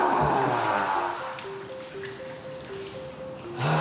ああ！